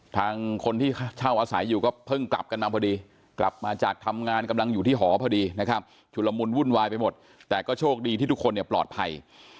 ทางคนที่เช่าอาศัยอยู่ก็เพิ่งกลับกันมาพอดีกลับมาจากทำงานกำลังอยู่ที่หอพอดีนะครับชุดละมุนวุ่นวายไปหมดแต่ก็โชคดีที่ทุกคนเนี่ยปลอดภัย